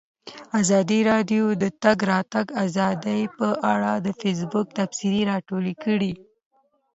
ازادي راډیو د د تګ راتګ ازادي په اړه د فیسبوک تبصرې راټولې کړي.